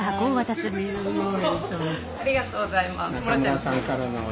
ありがとうございます。